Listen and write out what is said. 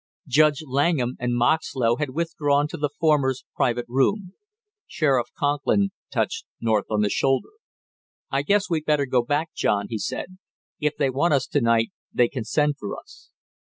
Judge Langham and Moxlow had withdrawn to the former's private room. Sheriff Conklin touched North on the shoulder. "I guess we'd better go back, John!" he said. "If they want us to night they can send for us."